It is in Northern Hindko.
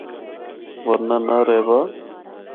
ورنہ ناں رہوّا۔